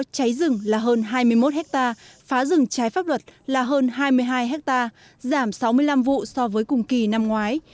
cháy rừng là hơn hai mươi một hectare phá rừng trái pháp luật là hơn hai mươi hai hectare giảm sáu mươi năm vụ so với cùng kỳ năm ngoái